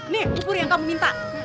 nih ukur yang kamu minta